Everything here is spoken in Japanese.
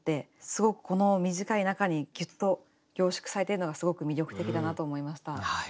すごくこの短い中にギュッと凝縮されているのがすごく魅力的だなと思いました。